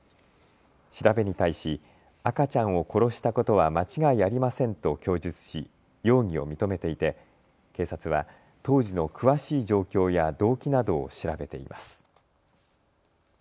調べに対し赤ちゃんを殺したことは間違いありませんと供述し容疑を認めていて警察は当時の詳しい状況や動機などを調べています。